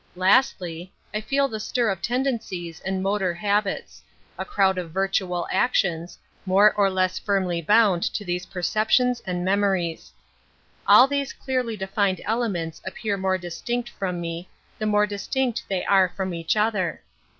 I astly, I feel the stir of tendencies and motor habits — a crowd of virtual actions, more or less firmly bound to these perceptions and memories. ' All these clearly defined elements appear more distinct from me, the more distinct they are from each other.